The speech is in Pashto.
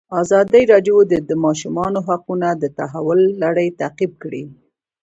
ازادي راډیو د د ماشومانو حقونه د تحول لړۍ تعقیب کړې.